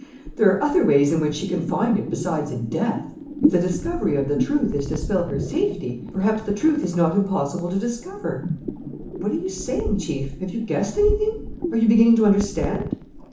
There are other ways in which she can find it besides in death. If the discovery of the truth is to spell her safety, perhaps the truth is not impossible to discover." "What are you saying, Chief? Have you guessed anything? Are you beginning to understand?"